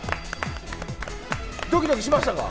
ドキドキしましたか？